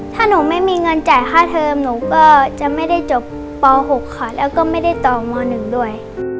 ถ้าหนูไม่มีเงินจ่ายค่าเทอมหนูก็จะไม่ได้จบป๖ค่ะแล้วก็ไม่ได้ต่อม๑ด้วย